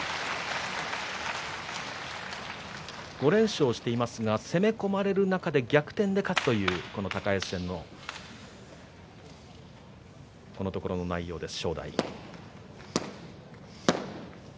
５連勝していますが攻め込まれる中で逆転で勝つという高安戦このところの内容です。